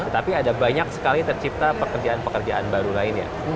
tetapi ada banyak sekali tercipta pekerjaan pekerjaan baru lainnya